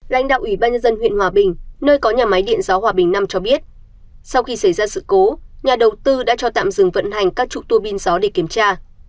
lãnh đạo ủy ban nhân dân huyện hòa bình nơi có nhà máy điện gió hòa bình năm cho biết sau khi xảy ra sự cố nhà đầu tư đã cho tạm dừng vận hành các trục tua pin gió để kiểm tra